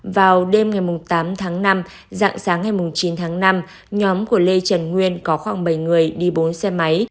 vào đêm ngày tám tháng năm dạng sáng ngày chín tháng năm nhóm của lê trần nguyên có khoảng bảy người đi bốn xe máy